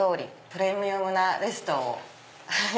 プレミアムなレストを。